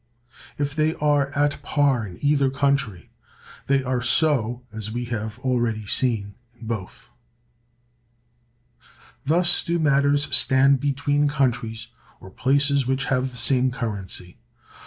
If they are at par in either country, they are so, as we have already seen, in both.(275) Thus do matters stand between countries, or places which have the same currency.